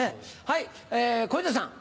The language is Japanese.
はい小遊三さん。